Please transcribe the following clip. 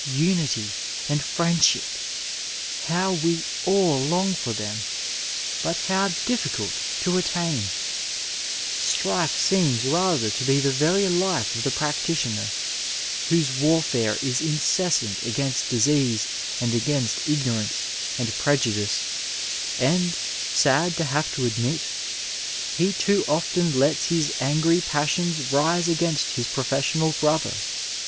Unity and friendship ! How we all long for tiiem, but how difficult to attain ! Strife seems rather to be tiiie very life of the practitioner, whose warfare is incessant against disease and against ignorance and prejudice, and, sad to have to admit, he too often lets his angry passions rise against his jn^fessional brother.